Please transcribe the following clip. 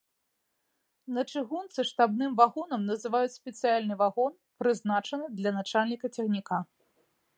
На чыгунцы штабным вагонам называюць спецыяльны вагон, прызначаны для начальніка цягніка.